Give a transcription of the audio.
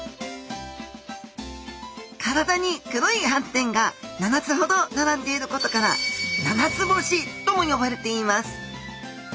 体に黒い斑点が７つほど並んでいることから七つ星とも呼ばれています。